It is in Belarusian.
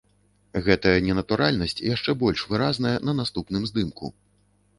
Гэтая ненатуральнасць яшчэ больш выразная на наступным здымку.